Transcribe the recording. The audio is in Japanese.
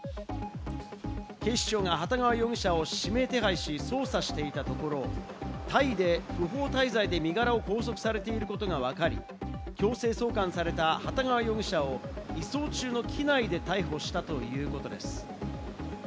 警視庁が幟川容疑者を指名手配し、捜査していたところ、タイで不法滞在で身柄を拘束されていることがわかり、強制送還された幟川容疑者を移送中の機内で逮捕したということです。